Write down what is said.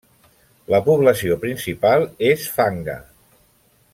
La població principal és Fanga.